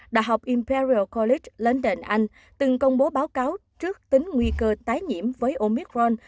đại học imperial college london anh từng công bố báo cáo trước tính nguy cơ tái nhiễm với omicron